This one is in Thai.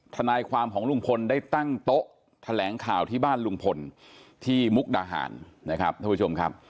ทนายความของลุงพลได้ตั้งโต๊ะแถลงข่าวที่บ้านลุงพลที่มุกดาหารนะครับท่านผู้ชมครับ